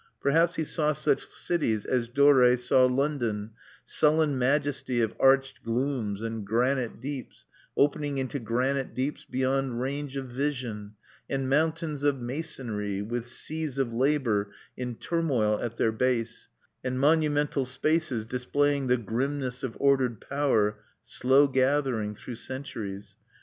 Perhaps he saw such cities as Dore saw London: sullen majesty of arched glooms and granite deeps opening into granite deeps beyond range of vision, and mountains of masonry with seas of labor in turmoil at their base, and monumental spaces displaying the grimness of ordered power slow gathering through centuries.